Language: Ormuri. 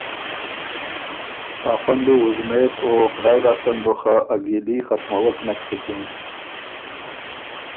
افۀ ن بُو وُزمېک او خدایٛ لاسته ن بُو خه ا ګیلي ختموک نک سُکِن۔